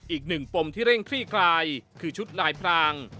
อีก๑ปมที่เร่งคลี่ไกรคือชุดลายพราง